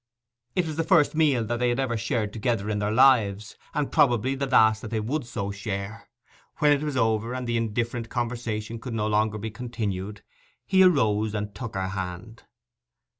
It was the first meal that they had ever shared together in their lives, and probably the last that they would so share. When it was over, and the indifferent conversation could no longer be continued, he arose and took her hand.